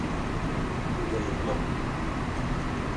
Yuba yeɣleq.